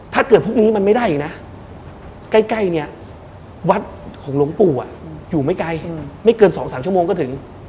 ถ้าเกิดพวกนี้มันไม่ได้อีกนะใกล้เนี่ยวัดของหลวงปู่อยู่ไม่ไกลไม่เกิน๒๓ชั่วโมงก็ถึง